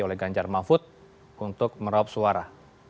oleh ganjar mahfud untuk meraup suara